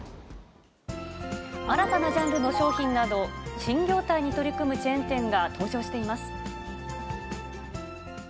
新たなジャンルの商品など、新業態に取り組むチェーン店が登場しています。